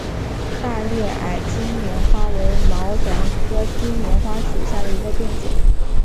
大叶矮金莲花为毛茛科金莲花属下的一个变种。